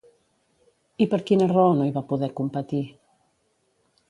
I per quina raó no hi va poder competir?